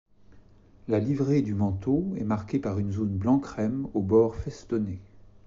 La livrée du manteau est marquée par une zone blanc-crème aux bords festonnés.